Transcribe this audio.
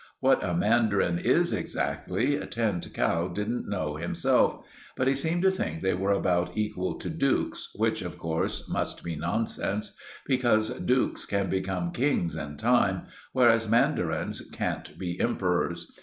What a mandarin is exactly, Tinned Cow didn't know himself; but he seemed to think they were about equal to dukes, which, of course, must be nonsense, because dukes can become kings in time, whereas mandarins can't be emperors.